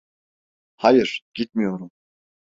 Hayır, gitmiyorum.